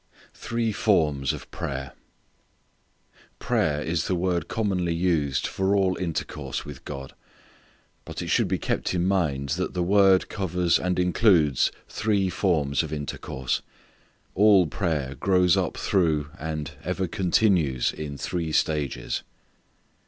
Three Forms of Prayer. Prayer is the word commonly used for all intercourse with God. But it should be kept in mind that that word covers and includes three forms of intercourse. All prayer grows up through, and ever continues in three stages.